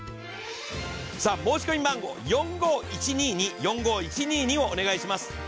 さあ申込番号４５１２２４５１２２をお願いします。